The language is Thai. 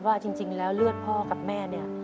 ว่าจริงแล้วเลือดพ่อกับแม่เนี่ย